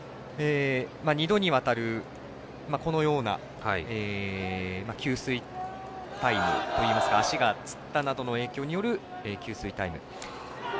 二度にわたる、このような給水タイムといいますか足がつったなどの影響による給水タイム。